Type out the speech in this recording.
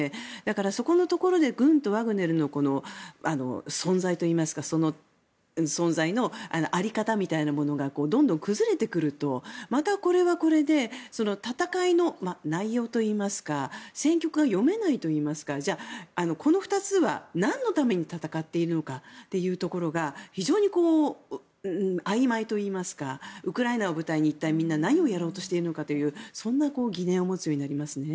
そこのところで軍とワグネルの存在の在り方みたいなものがどんどん崩れてくるとまたこれはこれで戦いの内容といいますか戦局が読めないといいますかじゃあ、この２つはなんのために戦っているかというところが非常にあいまいといいますかウクライナを舞台に一体みんな何をやろうとしているのかというそんな疑念を持つようになりますね。